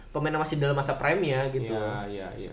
pemain yang masih dalam masa prime nya gitu